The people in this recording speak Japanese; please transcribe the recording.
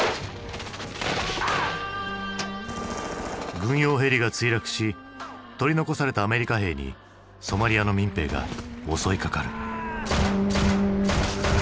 軍用ヘリが墜落し取り残されたアメリカ兵にソマリアの民兵が襲いかかる。